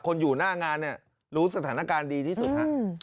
คนอยู่หน้างานรู้สถานการณ์ดีที่สุด